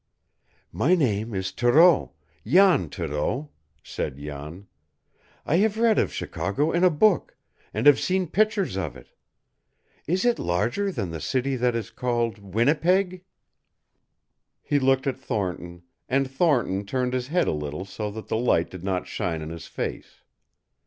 "My name is Thoreau Jan Thoreau," said Jan. "I have read of Chicago in a book, and have seen pictures of it. Is it larger than the city that is called Winnipeg?" He looked at Thornton, and Thornton turned his head a little so that the light did not shine in his face.